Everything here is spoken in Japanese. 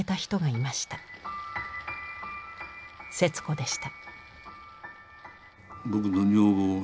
節子でした。